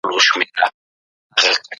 د دولت او حکومت چارې په ژوره توګه لوستل کېږي.